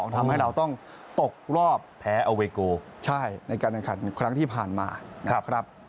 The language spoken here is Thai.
ทำให้เราต้องตกรอบแพ้อเวโกใช่ในการแข่งขันครั้งที่ผ่านมานะครับ